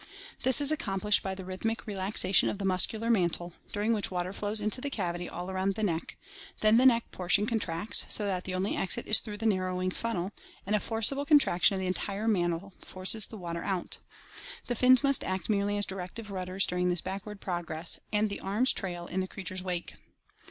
This is accomplished by the rhythmic relaxa tion of the muscular mantle, during which water flows into the cavity all around the neck; then the neck portion contracts so that the only exit is through the narrowing funnel, and a forcible con traction of the entire mantle forces the water out. The fins must act merely as directive rudders during this backward progress, and the arms trail in the creature's wake.